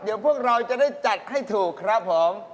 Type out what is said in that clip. เดี๋ยวพวกเราจะได้จัดให้ถูกครับผม